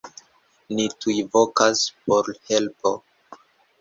Ni tuj vokas por helpo.“